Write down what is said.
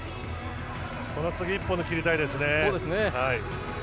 この次一本で切りたいですね。